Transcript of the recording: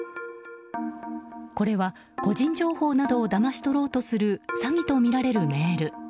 これは個人情報などをだまし取ろうとする詐欺とみられるメール。